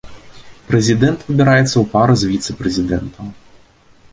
Прэзідэнт выбіраецца ў пары з віцэ-прэзідэнтам.